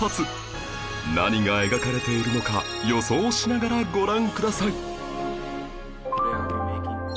何が描かれているのか予想しながらご覧ください